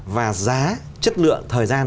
và giá chất lượng thời gian